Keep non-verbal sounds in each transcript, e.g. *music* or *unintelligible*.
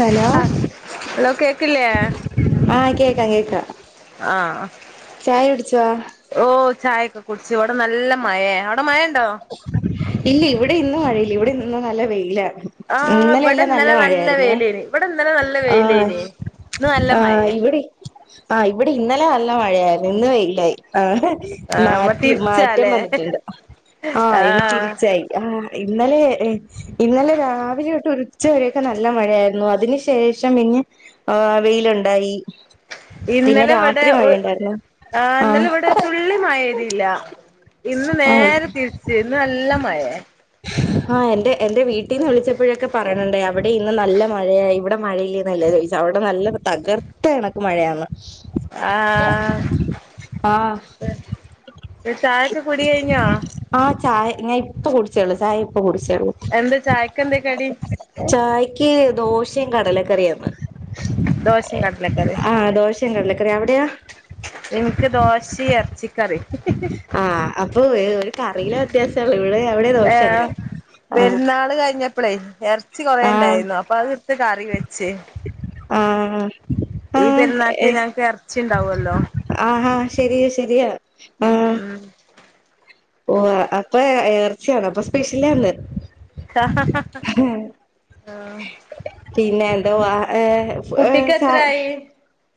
Hello hello കേക്കില്ലേ ആ കേക്കാം കേക്കാം ആഹ് ചായ കുടിച്ചോ ഓ ചായൊക്കെ കുടിച്ചു. ഇ വിടെ നല്ല മഴ മഴ ഉണ്ടോ ഇല്ല ഇവിടെ ഇന്നും മഴയില്ല. ഇവിടെ ഇന്നും നല്ല വെയിലാ ആഹ് ഇന്നലെ ഇവിടെ എല്ലാം നല്ല മഴയായിരുന്നെ വെയിലേനി ഇവിടെ ഇന്നലെ നല്ല ആ വെയിലേനി ഇന്ന് നല്ല ആ മഴേ ഇവിടെ ആഹ് ഇവിടെ ഇന്നലെ നല്ല മഴയായിരുന്നു. ഇന്ന് വെയിലായി ആ ആഹ് അപ്പൊ മാറ്റി മാറ്റം തിരിച്ചാലേ വന്നിട്ടുണ്ട് ആ ഇന്ന് ആഹ് തിരിച്ചായി ആ ഇന്നലെ ഇന്നലെ രാവിലെ തൊട്ട് ഉച്ചവരെയൊക്കെ നല്ല മഴയായിരുന്നു. അതിന് ശേഷം പിന്നെ ആ വെയിലുണ്ടായി പിന്നെ ഇന്നലെ ഇവിടെ രാത്രി ഒ മഴയുണ്ടായിരുന്നു ആ ഇന്നലെ ആഹ് ഇവിടെ ഒരു തുള്ളിമഴ പെയ്തില്ല ഇന്ന് നേ ആയി നേരെ തിരിച്ച് ഇന്ന് നല്ല മഴേ ആ എൻ്റെ എൻ്റെ വീട്ടിൽ നിന്ന് വിളിച്ചപ്പോഴൊക്കെ പറയണണ്ടേ അവിടെ ഇന്ന് നല്ല മഴയാണ് ഇവിടെ മഴയില്ലെന്ന ചോദിചേ അവിടെ നല്ല തകർത്ത കണക്ക് മഴയാന്ന് ആ ആഹ് ചാഴൊക്കെ കുടികഴി ഞാ ആഹ് ചായ ഞാ ഇപ്പൊ കുടിച്ചേള്ളു ചായ ഇപ്പ കുടി എന്തെ ചായക്കെന്താ കടി ക് ദോസ്‌ ഷിം കടല കറിയെന്നു ദോശയും കടലക്കറിയും ആ ദോശ കടല കറിയെനിം എവിടെയാ എനിക്ക് ദോഷിം എ ചിക്കറി ആ അപ്പൊ ഒരു കറയിലെ വ്യത്യാസള്ളു ഇവിടെ ഇവിടെ ഏ ദോഷയന്നെ ആ പ്ലെയ് കുറേണ്ടായിരുന്നു അപ്പൊ അത് ത് കറി വെച് ച്ച് ആഹ് ഈ ആഹ് പെരുന്നാക്ക് ഏഹ് ഞങ്ങക്ക് എറച്ചിണ്ടാവോല്ലോ ശരിയ ശരിയാ ഉം ഓ അപ്പൊ എ എർച്ച്യാണോഅപ്പ സ്പെഷ്യലാന്ന് ആഹ് ണ്ടുവാ ഏഹ് സ-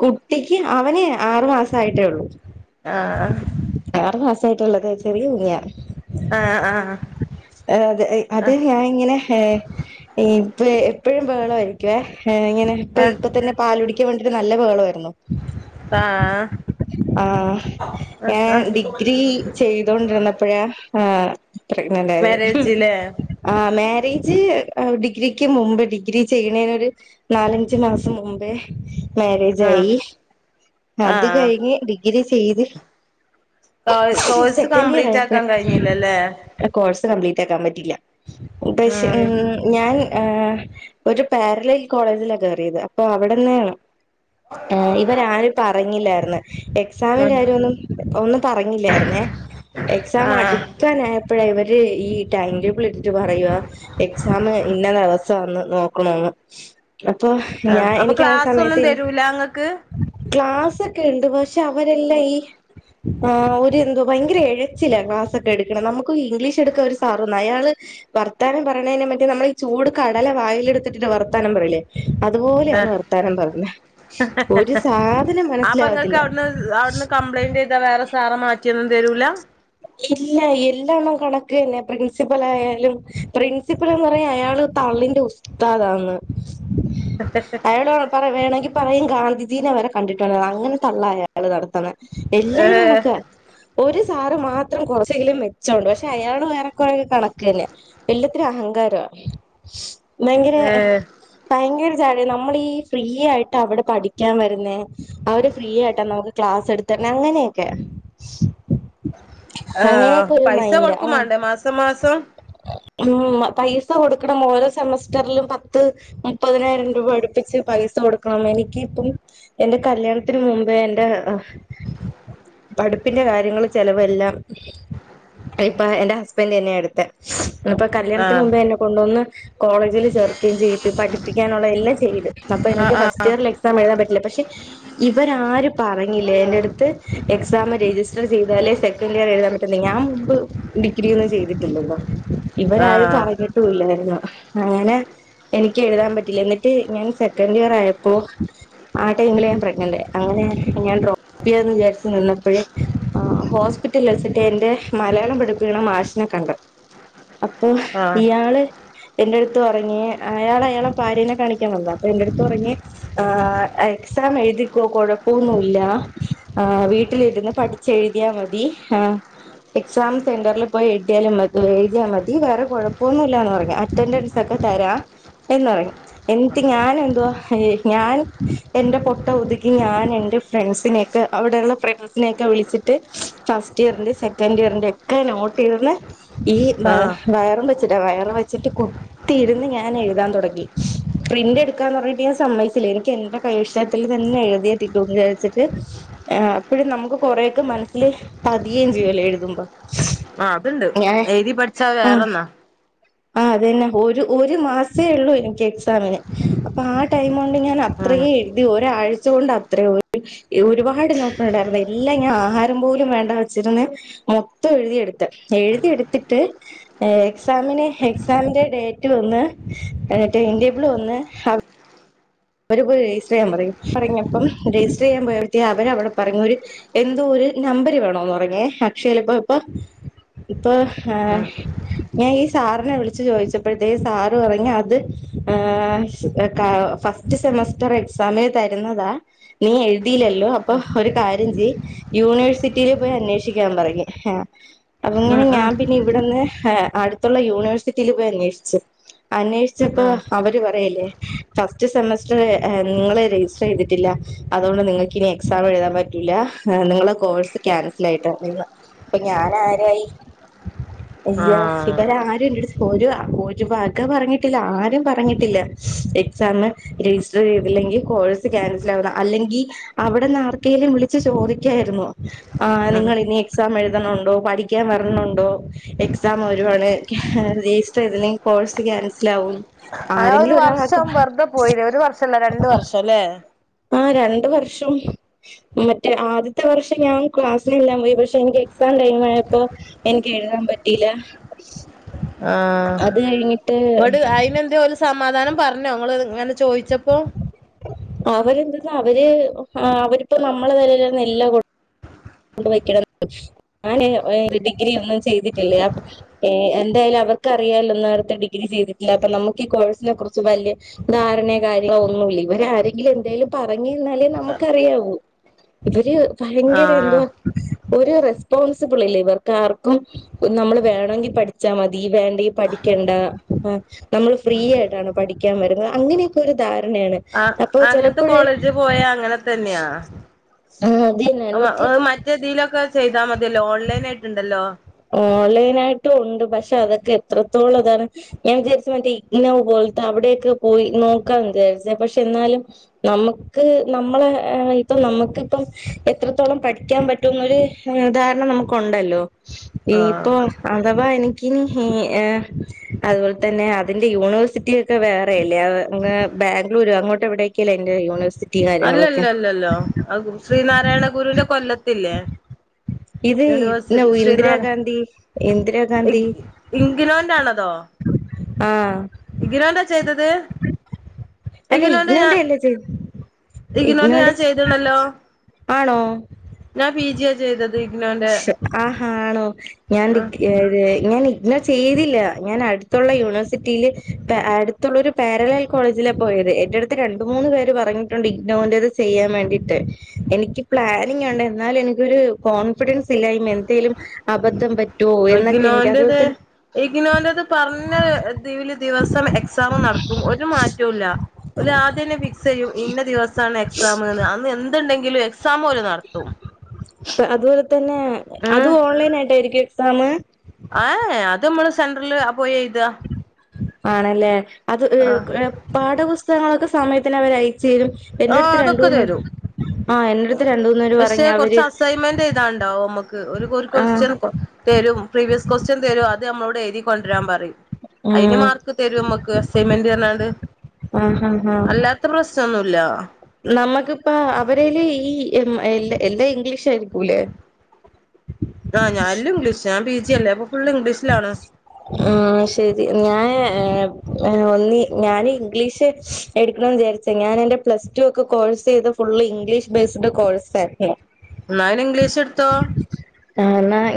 കുട്ടിക്ക് അവന് ആറ് മാസായിട്ടേ ഉള്ളൂ ആഹ് സായിട്ടുള്ളത് ചെറിയ തുണിയാ ആഹ് ആഹ് ആഹ് അതെ അത് ഞാൻ ഇങ്ങനെ ഹേ എപ്പഴും ബഹളമായിരിക്കുവേ ഇങ്ങനെ ഇപ്പ ആഹ് ഇപ്പ തന്നെ പാലുടി- ക്ക് വേണ്ടീട്ട് നല്ല ബഹളായിരുന്നു ആഹ് ആഹ് ഞാൻ ഡിഗ്രി ചെയ്തോണ്ടിരുന്നപ്പഴാ ആഹ് പ്രഗ്നന്റ് ആയത് മാരേജില്ലേ ആന്നേ മാരേജ് ഡിഗ്രിക്ക് മുമ്പ് ഡിഗ്രി ചെയ്യണേന് ഒരു നാലഞ്ച് മാസം മുമ്പേ മാരേജ് ആഹ് ആയി അത് ആഹ് കഴിഞ്ഞ് ഡിഗ്രി- ചെയ്ത് കോഴ്സ് സെക്കൻഡ് ഇയർ കംപ്ലീറ്റ് ആക്കാൻ കഴിഞ്ഞില്ലല്ലേ ആയപ്പഴ കോഴ്സ് കപ്ലീറ്റ്- പറ്റിയില്ല പക്ഷ ഉം ഞാൻ ആ ഒരു പാരലൈൽ കോളേജിലാ കേറിയത് അപ്പൊ അവിടെന്നെയാണ് ആ ഇവര് ആരും പറഞ്ഞില്ലായിന്ന് എക്സാമിന്റെ കാര്യം ഒന്നും ഒന്ന- പറഞ്ഞില്ലായിരുന്നു പിന്നെ എക്സാം ആഹ് അടുക്കാനായപ്പോഴ ഇവൻ - ഇതേ ഈ ടൈന്റെബ്ള് പറയുവാ എക്സാം ഇന്ന ദെവസാന്ന്. നോക്കണോന്ന് അപ്പൊ ആഹ് ഞാ അപ്പൊ എനിക്ക് ആ ക്ലാസ് ഒന്നും സമയത്ത്നി തരൂല ഇങ്ങക്ക് ക്ലാസ് ഒക്കെ ഇണ്ട് പഷെ അവരെല്ല ഈ ആ ഒരു എന്തൊ ഭയങ്കര എഴച്ചില ക്ലാസ്സൊക്കെ എടുക്കണെ നമുക്ക് ഇംഗ്ലീഷ് എടുക്കാ ഒരു സ് ആർനാ അയാള് വർത്താനം പറയ്ണെയ്നെ മറ്റേ നമ്മൾ ഈ ചൂട് കടല വായിലെടുത്തിട്ട് വർത്താനം പറയല്ലേ ആഹ് അതുപോലെയാണ് വർത്താനം പറഞ്ഞ ഒരു സാധനം അപ്പൊ ഇങ്ങക്ക് മനസ്സിലാവത്തില്ല അവിടുന്ന് റ്റിയൊന്നും തരൂല ഇല്ല എല്ല എണ്ണം കണക്ക് തന്നെ പ്രിൻസിപ്പളാആയാലും പ്രിൻസിപ്പിള്ന്ന് പറയാ അയാള് തള്ളിന്റെ ഉസ്താദാന്ന് അയാൾ പറ് പറി വേണേങ്കി പറയും ഗാന്ധി ദിനെവരെ കണ്ടിട്ടൊള്ള അങ്ങനെ തള്ളായ അയാള് നടത്തിണെ ഏ എല്ലാരും കണക്ക് ഒരു സാറ് മാ ത്രം കൊറച്ചെങ്കിലും മെച്ചോണ്ട് പഷെ അയാളുവേറെക്കൊറെ കണക്കെന്നെ എല്ലത്തിനും അഹങ്കാരാ ഭയങ്കര ഏ ഭയങ്കര നമ്മളീഫ്രീ ആയിട്ട് അവിടെ പഠിക്കാൻ വരുന്ന അവര് ഫ്രീ ആയിട്ടാ നമുക്ക് ക്ലാസ്സ് എടുത്തര്ണെ അങ്ങനെക്കെ ആ പൈസ മൈൻഡ് കൊടുക്കും ആഹ് മാണ്ടേ മാസം മാസം ഉം പൈസ കൊടുക്കണം ഓരോ സെമസ്റ്റർലും പത്ത് മുപ്പതിനായിരം രൂപ അടുപ്പിച്ച് പൈസ കൊടുക്കണം എനിക്കിപ്പം എന്റെ കല്യാണത്തിന് മുമ്പേ എൻറെ പഠിപ്പിന്റെ കാര്യങ്ങൾ ചെലവെല്ലാം ഇപ്പൊ എന്റെ ഹസ്ബൻറ് തന്നെയ എടുത്തെ അപ്പൊ ആ കല്യാണത്തിന് മുമ്പേ എന്നെ കൊണ്ടുവന്ന് കോളേജിൽ ചേർക്കെം ചെയ്തു പഠിപ്പിക്കാനുള്ള എല്ലാം ചെയ്ത് അപ്പൊ എനിക്ക് ഫസ്റ്റ് ആ ഇയറിൽ എക്സാം എഴുതാൻ പറ്റില്ല പക്ഷെ ഇവര ആര് പറഞ്ഞിലേ എന്റട്ത്ത് എക്സാം രജിസ്റ്റർ ചെയ്താലേ സെ കെൻ്റിയറെഴുതാൻ പറ്റുന്നേ ഞാൻ മുമ്പ് ഡിഗ്രി ഒന്നും ചെയ്തിട്ടില്ലല്ലോ ആ ഇവരാരും പറഞ്ഞിട്ടുല്ലാരുന്നു അങ്ങനെ എനിക്ക് എഴുതാൻ പറ്റീല്ല എന്നിട്ട് ഞാൻ സെക്കൻഡ് ഇയർ ആയപ്പോ ആ ടൈമില് ഞാൻ പ്രഗ്നന്റ് ആയി അങ്ങനെ ഞാൻ ഡ്രോപ്പ് ചെയ്യാന്ന് വിചാരിച്ചു നിന്നപ്പഴ് ഹോസ്പി റ്റല് വച്ചിട്ട് എന്റെ മലയാളം പഠിപ്പിക്ക്ണ മാശിനെ കണ്ട് അപ്പൊ ആ ഇയാള് എന്റെ അടുത്ത് പറഞ്ഞ് അയാള അയാളെ ഭാര്യേനെ കാണിക്കാൻ വന്ന അപ്പൊ എന്റെടുത്ത് പറഞ്ഞ് ആ എക്സാം എഴുതിക്കോ കൊഴപ്പോന്നൂല്ല ആ വീട്ടിലിരുന്ന് പഠിച്ച് എഴുതിയാ മതി ആ എക്സാം സെന്ററിൽ പോയി എഴുയാലും മതിഎഴുതിയാൽ മതി വേറെ കൊഴപ്പൊന്നൂല്ലിന്ന് പറഞ്ഞ് അറ്റൻഡൻസ് ഒക്കെ തരാം എന്ന് പറഞ്ഞ് എന്നിട്ട് ഞാൻ എന്തുവാ ഞാൻ എൻറെ പൊട്ട ബുദ്ധിക്ക് ഞാൻ എന്റെ ഫ്രണ്ട്സിനെക്കെ അവിടെള്ള ഫ്രണ്ട്സിനെക്കെ വിളിച്ചിട്ട് ഫസ്റ്റ് ഇയറിന്റെ സെക്കൻഡ് ഇയറിന്റെക്കെ നോട്ടിരിന്ന് ഈ വയറും വ വയർ വെച്ചിട്ട് കുത്തിരുന്ന് ഞാൻ എഴുതാൻ തുടങ്ങി പ്രിന്റ് എടുക്കാന്ന് പറഞ്ഞിട്ട് ഞാൻ സമ്മയിച്ചില എനിക്ക് എന്റെ കൈയ്യക്ഷരത്തിൽ തന്നെ എഴുതിയതിന്ന് വിചാരിച്ചിട്ട് ആ അപ്പോഴും നമുക്ക് കൊറെേയൊക്കെ മനസ്സില് പതിയേം ചെയ്യോല്ലൊ എഴുതുമ്പോ ആ അത്ണ്ട് ഞാൻ എഴുതി പഠിച്ചാ ആഹ് വേറെന്നാ ആ അതന്നെ ഒരു ഒരു മാസേ ഇള്ളൂ എനിക്ക് എക്സാമിന് അപ്പൊ ആ ടൈമൊണ്ട് ഞാൻ അത്രേ ഉം എഴുതി ഒരാഴ്ച കൊണ്ട് അത്ര *inaudible* ഒരുപാട് നോട്ടുണ്ടായിരുന്നു എല്ലാം ഞാൻ ആഹാരം പോലും വേണ്ട വെച്ചിരുന്ന് മൊത്തം എഴുതിയെടുത്ത് എഴുതിയ എടുത്തിട്ട് എക്സാമിന് എക്സാമിന്റെ ഡേറ്റ് വന്ന് ടൈം ടേബിൾ വന്ന് ആ അവര് പോയി രയ്സ്റ്ററെയ്യാൻ പറഞ് പർഞ്ഞപ്പം രയ്സ്റ്റർ ചെയ്യാൻ പോയ്പത്തേഴ് അവര അവ്ടെ പർഞ്ഞ ഒരു എന്തോ ഒരു നമ്പര് വേണോന്ന് പറഞ്ഞേ അക്ഷേലിപ്പ ഇപ്പ ഇപ്പൊ ഏ ഉം ഞാൻ ഈ സാറിനെ വിളിച്ചു ചോയ്ച്ചപ്പഴ്ത്തേ സാറ് പർഞ്ഞ് അത് ഏ ക ഫസ് ഫറ്റ് സെമസ്റ്റർ എക്സാമിന് തരുന്നതാ നീ എഴുതില്ലല്ലോ അപ്പൊ ഒരു കാര്യം ചെയ് യൂണിവേഴ്സിറ്റിൽ പോയി അന്വേഷിക്കാൻ പറഞ്ഞ് ഉം അങ്ങനെ ഉം ഞാൻ പിന്നെ ഇവിടെന്ന് ഹ് അടുത്തുള്ള യൂണിവേഴ്സിറ്റിയിൽ പോയി അന്വേഷിച്ചു അന്വേഷിച്ചപ്പോ ഉം അവര് പറയല്ലേ ഫ സ്‌റ്റ് സെമസ്റ്റർ നിങ്ങളെ രജിസ്റ്റർ ചെയ്തിട്ടില്ല അതുകൊണ്ട് നിങ്ങൾക്ക്നി എക്സാം എഴുതാൻ പറ്റൂല്ല നിങ്ങളെ കോഴ്സ് ക്യാൻസൽ ആയിട്ട അപ്പ ഞാൻ ആരായി ആ അ ഇവര് ആരും ഒര് ഒരു വക പറഞ്ഞിട്ടില്ല ആരും പറഞ്ഞിട്ടില്ല എക്സാം രജിസ്റ്റർ ചെയ്തില്ലെങ്കിൽ കോഴ്സ് ക്യാൻസൽ ആവുന്ന അല്ലെങ്കി അവിടെന്ന് ആർക്കെലും വിളിച്ച് ചോദിക്കായിരുന്നു ആ നിങ്ങൾ ഇനി എക്സാം എഴുതണണ്ടോ പഠിക്കാൻ വരണണ്ടോ എക്സാം ഒരുണ രജിസ്റ്റർ ചെയ്തില്ലെങ്കിൽ കോഴ്സ് ക്യാൻസൽ ആകും ആ ഒരു വർഷം വെർതെ പോയില്ല ഒരു വർഷംല്ല രണ്ട് വർഷ അല്ലേ? ആ രണ്ട വർഷം മറ്റേ ആദ്യത്തെ വർഷം ഞാൻ ക്ലാസ്സിലെല്ലാം പോയി പക്ഷെ എനിക്ക് എക്സാം ടൈം ആയപ്പോ എനിക്ക് എഴുതാൻ പറ്റീല്ല. ആ ഇട് അയിന് എന്തേയോൽ സം സമാധാനം പറഞ്ഞോ ങ്ങള്ങ്ങനെ ചോദിച്ചപ്പോ അവരെന്തെന്നാ അവര് അവരിപ്പോ നമ്മളെ നിലൽന്നെല്ല കൊട *unintelligible* ഞാന് ഡിഗ്രി ഒന്നും ചെയ്തിട്ടില്ലേ അ എന്തായാലും അവർക്കറിയാലൊ നേരത്തെ ഡിഗ്രി ചെയ്തിട്ടില്ലത്തെ നമക്ക് ഈ കോഴ്സിനെ കുറിച്ച് വല്യയ ധാരണയോ കാര്യങ്ങളോ ഒന്നുമില്ല ഇവരാരെങ്കിലും എന്തായാലും പറഞ്ഞ് തന്നാലേ നമുക്ക്റിയാവൂ ഇവര് ആ ഭയങ്കര എന്തോ ഒരു റെസ്പോൺസിബിൾ ഇല്ല ഇവർക്ക് ആർക്കും നമ്മൾ വേണങ്കി പഠിച്ച മതി വേണ്ടെങ്കിൽ പഠിക്കണ്ട നമ്മൾ ഫ്രീ ആയിട്ടാണ് പഠിക്കാൻ വരുന്നത് അങ്ങനൊക്കെ ഒരു ധാ ണ യാണ് ആ അപ്പൊ അങ്ങനത്തെ ചിലപ്പോഴ കോളേജ് പോയ അങ്ങനെ തന്നെയാ ആഹ് അതന്നെ എന്നിട്ട് തിയിലൊക്കെ ചെയ്താൽ മതിയല്ലോ ഓൺലൈൻ ആയിട്ടുണ്ടല്ലോ ഓൺലൈനായിട്ടും ഉണ്ട് പക്ഷെ അതൊക്കെ എത്രത്തോളം ഇതാണ് ഞാൻ വിചാരിച്ച മറ്റേ ഇഗ്നോ പോലത്തെ അവിടെക്കെ പോയി നോക്കാ വിചാരിച്ച പക്ഷെ എന്നാലും നമുക്ക് നമ്മളെ ഇപ്പ നമക്ക് ഇപ്പം എത്രത്തോളം പഠിക്കാൻ പറ്റുന്നൊരു ഉദാഹരണം നമക്കുണ്ടല്ലോ ഈ ആ ഇപ്പൊ അത അപ്പ എനിക്കിനി ഏഹ് അതുപോലെ തന്നെ അതിന്റെ യൂണിവേഴ്സിറ്റിക്കെ വേറെയല്ലേ ഏഹ് ബാംഗ്ലൂര് അങ്ങോട്ട് എവിടെക്കല്ലേ അയിന്റെ യൂണിവേഴ്സി അല്ലല്ല അല്ലല്ലോ ശ്രീനാരായണ ഗുരുന്റെ കൊല്ലത്തില്ലേ? ഇത് ഇഗ്നോ യൂണിവേഴ്സിറ്റി ഇന്ദിരാ ശ്രീനാരായ ഗാന്ധി ഇന്ദിരാ ഗാന്ധി ഇഗ്നോന്റെ ആണതോ ആ ഇഗ്നോന്റെ ചെയ്തത് അല്ല ഇഗ്നോന്റെ ഞാൻ അല്ലേ ചേ ഇഗ്നോനൊന്റെ ഇഗ്നോന്റെ ഞാൻ ചെയ്തണല്ലോ ആണോ ഞാൻ പി ജിയാ ചെയ്തത് ഇഗ്നോന്റെ ആഹ ആണോ ഞാൻ ഡി ആ ഏ ഞാൻ ഇഗ്നോനൊ ചെയ്തില്ല ഞാൻ അടുത്തുള്ള യൂണിവേഴ്സിറ്റിയില് അടുത്തുള്ള ഒരു പാരലാൽ കോളേജില പോയത് എന്റെ അടുത്ത് രണ്ട മൂന്ന് പേര് പറഞ്ഞിട്ടുണ്ട് ഇഗ്നോന്റത് ചെയ്യാൻ വേണ്ടിയിട്ട് എനിക്ക് പ്ലാനിങ്ണ്ട് എന്നാലും എനിക്കൊരു കോൺഫിഡൻസ് ഇല്ലായ്മ എന്തേലും അബദ്ധം പറ്റുവോ എന്നൊക്കെ എനിക്ക് അതുപോലെ ഇഗ്നോന്റത് തന്നെ ഇഗ്നോന്റത് പറഞ്ഞ ദിവസം എക്സാം നടക്കും ഒരു മാറ്റവുംല്ല ഓല് ആദ്യം തന്നെ ഫിക്സ് ചെയ്യും ഇന്ന ദിവസമാണ് എക്സാമന്ന് അന്ന് എന്ത്ണ്ടെങ്ക ക്സ് സാമോല് നടത്തും അതുപോലെ തന്നെ അതും ഓൺലൈൻ ആയിട്ടായിരിക്കും സാമ് ആ അത് മ്മള് സെൻട്രല് പോയ് എയ്താ ആണല്ലേ എഹ് എഹ് പാഠപുസ്തകങ്ങളൊക്കെ സമയത്തിനവര ചീരും ആഹ് എന്റടുത്ത് അതൊക്കെ രണ്ടൂന്നവര് തരും ആ എന്റടുത്ത് രണ്ടു ഊന്നേര് പറഞ്ഞവര് ക് ഒരു ഒരു കൊസ്റ്റന് പൊ തരും പ്രീവിയസ് കൊസ്റ്റ്യൻ തരു ആ അത് അമ്മളോടെഴുതി കൊണ്ട്രാൻ പറിം. അയിന് ഉം മാർക്ക് തരുംമ്മക്ക്. അസൈൻമെന്റ്ന്ർഞാണ്ട് ആ ഹാ ഹാ അല്ലാത്ത പ്രശ്നൊന്നൂ ലാ നമ്മക്കിപ്പാ അവരേല് ഈ ഇമ് എ എന്റെ എന്റെ ഇംഗ്ലീഷ് ആയിരിക്കുലെ ആ ഞാല്ലും ഇംഗ്ലീഷ ആ പി ജിയല്ലേ അപ്പ ഫുൾ ഇംഗ്ലീഷ് ഉം ശരി ഞാന് ഏ എ ഒന്നി ഞാന് ഇംഗ്ലീഷ് എടുക്ണോ ചാരിച് ഞാൻ എന്റെ പ്ലസ് ടുക്കെ കോഴ്സ് യ്ത് ഫുള്ള് ഇംഗ്ലീഷ് ബേസ്ഡ് കോഴ്സ്ഹാപ്പിയാ ന്നയ്ന് ഇംഗ്ലീഷ് ടുത്തോ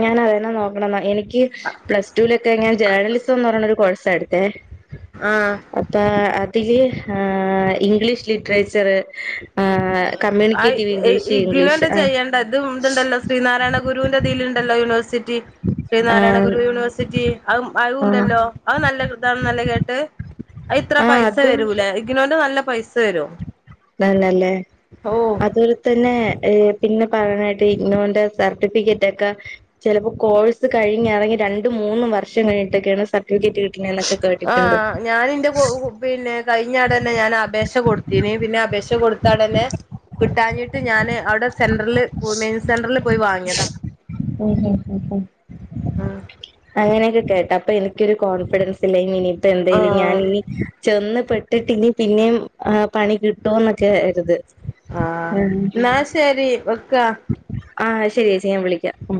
ഞാനതന്നെ നോക്കണം ന്ന എനിക്ക് *unintelligible* പ്ലസ് ടുലൊക്കെ ഇങ്ങനെ ജേണലിസംന്ന് പറഞ്ഞ ഒരു കോഴ സ ടുത്തെ ആഹ് അത്താ എപ് *unintelligible* ആ ഇംഗ്ലീഷ് ലിറ്ററേച്ചർ ആ ആ കമ്മ്യൂണിക്കേറ്റീവ് ഇംഗ്ലീഷ് ഇംഗ്ലീഷ് ഇഗ്നുന്റെ ആ ചെയ്യേണ്ട ഇതും ഇതുണ്ടല്ലോ ശ്രീനാരായണ ഗുരുവിൻന്റെതിലുണ്ടല്ലോ യൂണിവേഴ്സിറ്റി ആ ശ്രീനാരായണ ഗുരു യുണി വേഴ്‌സിറ്റി അത് ആ അത്ണ്ടല്ലോ അത് നല്ല താന്നല്ലെ കേട്ടെ അതിത്ര ആ പൈസ അതും വരൂലെ ഇഗ്നോന്റെ നല്ല പൈസ തരും നല്ലല്ലേ അതു ഒലതന്നെ *unintelligible* പിന്നെ പറയാനായിട്ട് ഇഗ്നുന്റെ സർട്ടിഫിക്കറ്റ് ഒക്കെ ചിലപ്പോ കോഴ്സ് കഴിഞ്ഞ് ഇറങ്ങി രണ്ട മൂന്നും വർഷം കഴിഞ്ഞിട്ടൊക്കെയാണ് സർ ആ ഞാനിന്റെ കു പിന്നെ കഴിഞ്ഞാടന്നെ ഞാൻ അപേക്ഷ കൊടുത്തീന് പിന്നെ അപേക്ഷ കൊടുത്തടന്നെ കിട്ടാഞ്ഞിട്ട് ഞാന് അവിടെ സെൻറില് *unintelligible* സെന്ററില് പോയി വാങ്ങിയതാ ഉം ഉം ആ അങ്ങനെയൊക്ക കേട്ട അപ്പ എനിക്ക് ഒരു കോഫിഡൻസ് ഇല്ല ഇനി നിപ്പ ഇപ്പ എന്തായാലും ആഹ് ഞാനിനി ചെന്ന് പെട്ടിട്ട് ഇനി പിന്നേം ആഹ് പണി കി ട്ടോന്നൊക്കെ ഒരിത് ആ എന്നാ ശരി വെക്കാ ആ ശരി ചേച്ചി ഞാൻ വിളിക്കാം. ഉം